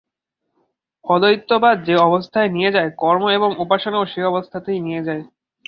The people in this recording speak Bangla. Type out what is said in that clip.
অদ্বৈতবাদ যে-অবস্থায় নিয়ে যায়, কর্ম এবং উপাসনাও সেই অবস্থাতেই নিয়ে যায়।